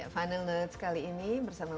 final notes kali ini bersama